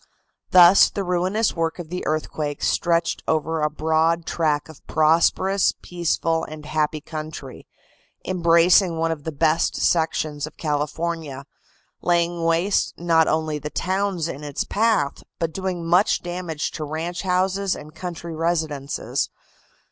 Thus the ruinous work of the earthquake stretched over a broad track of prosperous, peaceful and happy country, embracing one of the best sections of California, laying waste not only the towns in its path, but doing much damage to ranch houses and country residences.